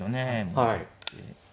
はい。